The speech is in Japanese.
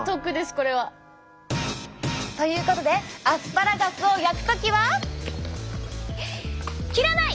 これは。ということでアスパラガスを焼く時は切らない！